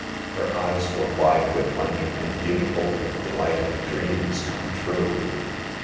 Her eyes were wide with wonder, and beautiful with the light of dreams come true.